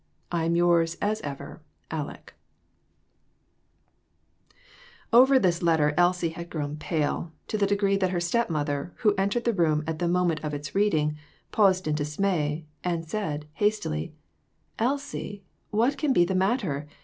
I am, yours as ever, ALECK. Over this letter Elsie had grown pale, to the degree that her step mother, who entered her room at the moment of its reading, paused in dismay, and said, hastily "Elsie, what can be the mat ter?